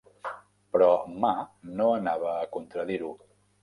Però Ma, no anava a contradir-ho.